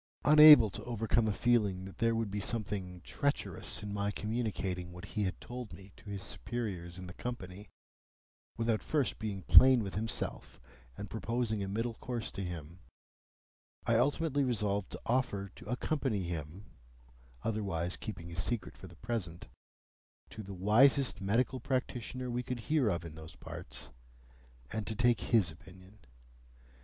Unable to overcome a feeling that there would be something treacherous in my communicating what he had told me to his superiors in the Company, without first being plain with himself and proposing a middle course to him, I ultimately resolved to offer to accompany him (otherwise keeping his secret for the present) to the wisest medical practitioner we could hear of in those parts, and to take his opinion.